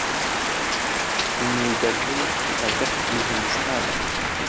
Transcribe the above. نیودەلهی پایتەختی هیندستانە.